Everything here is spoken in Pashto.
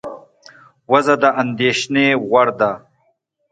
وضع د اندېښنې وړ وه.